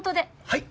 はい？